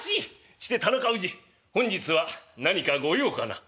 して田中氏本日は何かご用かな」。